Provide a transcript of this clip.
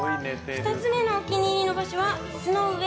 ２つ目のお気に入りの場所は椅子の上。